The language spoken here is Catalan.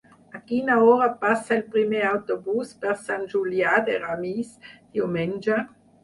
A quina hora passa el primer autobús per Sant Julià de Ramis diumenge?